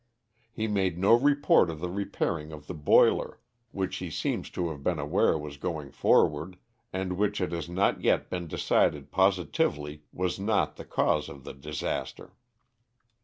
He made no report of the repairing of the boiler, which he seems to have been aware was going forward, and which it has not yet been deciied positively was not the cause of the disaster.